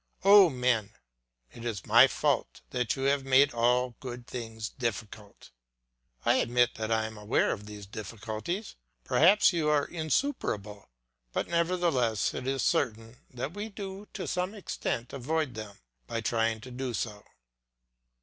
Oh, men! is it my fault that you have made all good things difficult? I admit that I am aware of these difficulties; perhaps they are insuperable; but nevertheless it is certain that we do to some extent avoid them by trying to do so.